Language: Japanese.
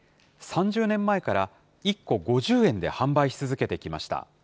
３０年前から１個５０円で販売し続けてきました。